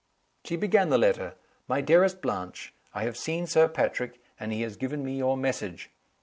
She began the letter. "My dearest Blanche, I have seen Sir Patrick, and he has given me your message.